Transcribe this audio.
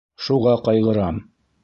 Шуға ҡайғырам...